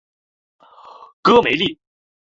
戈梅利。